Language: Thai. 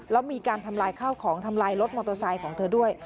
แล้วมีการทำลายข้าวของทำลายรถมอเตอร์ไซค์ของเธอด้วย